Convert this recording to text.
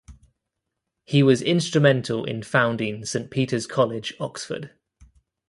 He was instrumental in founding Saint Peter's College, Oxford.